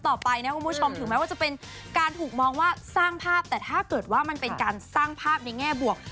ถ้าเกิดว่ามันเป็นการสร้างภาพในแง่บวก